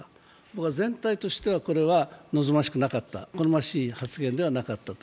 僕は全体としてはこれは望ましくなかった、好ましい発言ではなかった。